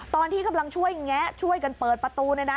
ตอนที่กำลังช่วยแงะช่วยกันเปิดประตูเนี่ยนะ